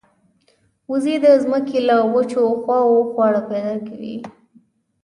وزې د زمکې له وچو خواوو خواړه پیدا کوي